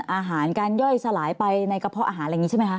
อาหารการย่อยสลายไปในกระเพาะอาหารอะไรอย่างนี้ใช่ไหมคะ